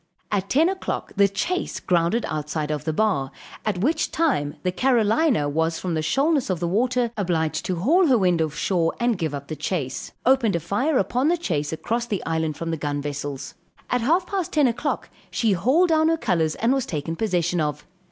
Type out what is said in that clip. At 10 o'clock, the chase grounded outside of the bar, at which time the Carolina was from the shoalness of the water obliged to haul her wind off shore and give up the chase; opened a fire upon the chase across the island from the gun vessels. At half past 10 o'clock, she hauled down her colors and was taken possession of.